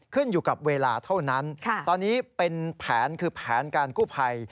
ขึ้นอยู่กับเวลาเท่านั้นตอนนี้เป็นแผนคือแผนการกู้ภัย